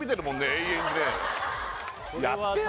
永遠にねやってよ！